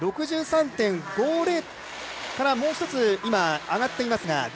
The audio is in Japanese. ６３．５０からもう１つ上がっています。